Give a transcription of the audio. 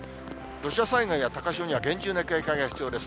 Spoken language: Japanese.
土砂災害や高潮には厳重な警戒が必要です。